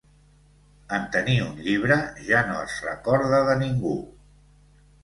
En tenir un llibre, ja no es recorda de ningú!